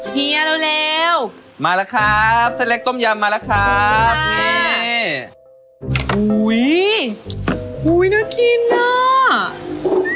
เฮียเร็วเร็วมาแล้วครับเส้นเล็กต้มยำมาแล้วครับ